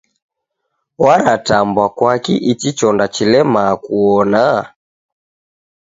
Waratambwa kwaki ichi chonda chilemaa kuona?